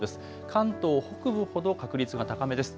関東北部ほど確率が高めです。